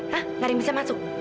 gak ada yang bisa masuk